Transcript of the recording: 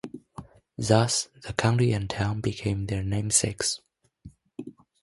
Thus, the county and town became their namesakes.